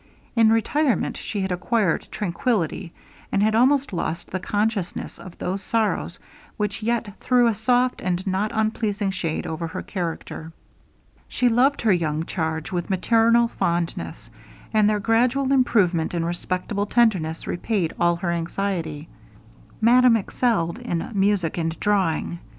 In retirement she had acquired tranquillity, and had almost lost the consciousness of those sorrows which yet threw a soft and not unpleasing shade over her character. She loved her young charge with maternal fondness, and their gradual improvement and respectful tenderness repaid all her anxiety. Madame excelled in music and drawing.